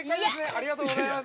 ありがとうございます。